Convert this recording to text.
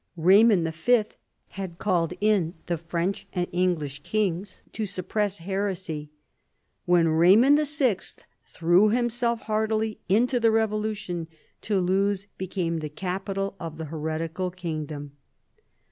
Eaymond V. had called in the French and English kings to suppress heresy. When Eaymond VI. threw himself heartily into the revolution, Toulouse became the capital of the heretical kingdom.